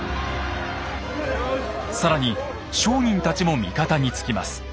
更に商人たちも味方につきます。